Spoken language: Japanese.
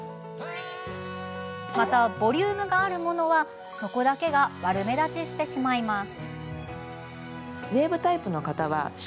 また、ボリュームがあるものはそこだけが悪目立ちしてしまいます。